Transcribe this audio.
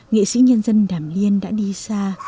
nghệ sĩ nhân dân đàm liên đã đi xa